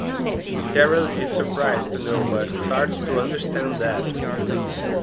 Tara is surprised to know but starts to understand Dev.